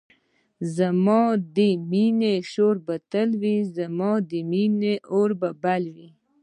زما د مینی شور به تل وی زما د مینی اور به بل وی